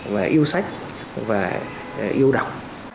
và yêu sách và yêu đọc